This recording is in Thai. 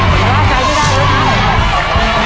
สุดท้ายแล้วครับ